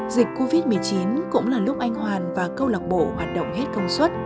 dịch covid một mươi chín cũng là lúc anh hoàn và câu lạc bộ hoạt động hết công suất